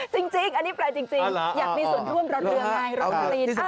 จริงอันนี้แปลจริงอยากมีส่วนร่วมรถเรือไงรถคลีน